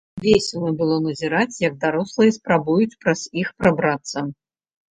Весела было назіраць, як дарослыя спрабуюць праз іх прабрацца.